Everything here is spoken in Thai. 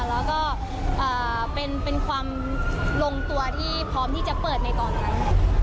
แล้วก็เป็นความลงตัวที่พร้อมที่จะเปิดในตอนนั้น